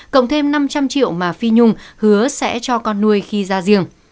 cộng thêm năm trăm linh triệu mà phi nhung hứa sẽ cho con nuôi khi ra riêng